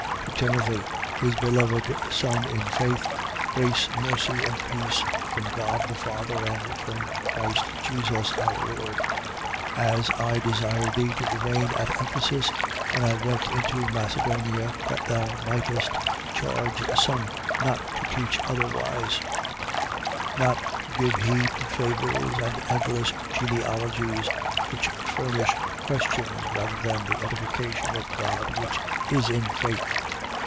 To Timothy, his beloved son in faith. Grace, mercy and peace, from God the Father and from Christ Jesus our Lord. 1:3. As I desired thee to remain at Ephesus when I went into Macedonia, that thou mightest charge some not to teach otherwise: 1:4. Not to give heed to fables and endless genealogies, which furnish questions rather than the edification of God which is in faith.